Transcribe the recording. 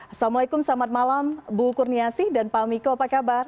assalamualaikum selamat malam bu kurniasih dan pak miko apa kabar